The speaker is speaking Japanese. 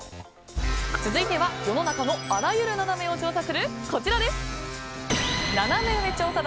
続いては世の中のあらゆるナナメ上を調査するナナメ上調査団。